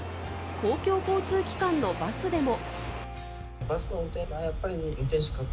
公共交通機関のバスでも。